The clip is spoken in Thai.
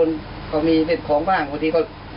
แต่มันมีจริงใช่หรือไม่ครับ